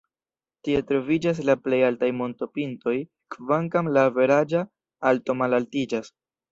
Tie troviĝas la plej altaj montopintoj, kvankam la averaĝa alto malaltiĝas.